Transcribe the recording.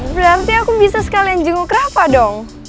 berarti aku bisa sekalian jenguk kenapa dong